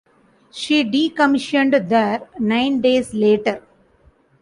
She decommissioned there nine days later.